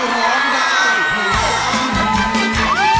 ร้องได้ครับ